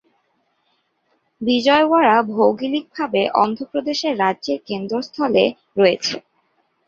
বিজয়ওয়াড়া ভৌগলিকভাবে অন্ধ্রপ্রদেশের রাজ্যের কেন্দ্রস্থলে রয়েছে।